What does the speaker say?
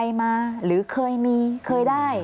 ก็คลิปออกมาแบบนี้เลยว่ามีอาวุธปืนแน่นอน